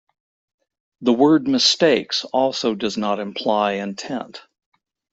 The word "mistakes" also does not imply intent.